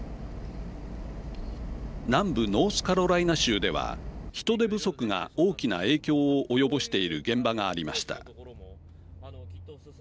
南部ノースカロライナ州では人手不足が大きな影響を及ぼしている現場がありました。